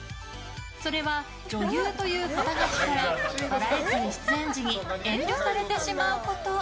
それは女優という肩書からバラエティー出演時に遠慮されてしまうこと。